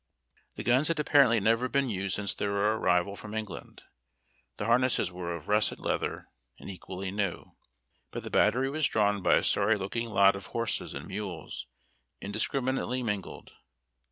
The guns had appar ently never been used since their arrival from England. The harnesses were of russet leather and equally new ; but the battery was drawn by a sorry looking lot of horses and mules, indiscriminately mingled.